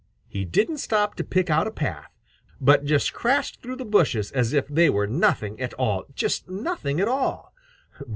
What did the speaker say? He didn't stop to pick out a path, but just crashed through the bushes as if they were nothing at all, just nothing at all.